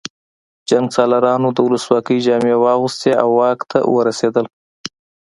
جنګسالارانو د ولسواکۍ جامې واغوستې او واک ته ورسېدل